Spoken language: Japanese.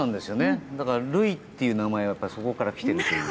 だから塁っていう名前はそこからきているという。